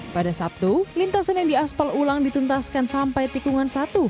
pada sabtu lintasan yang diaspal ulang dituntaskan sampai tikungan satu